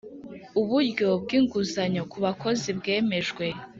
Uburyo bw inguzanyo ku bakozi bwemejwe